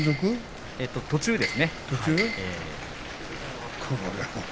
途中ですね。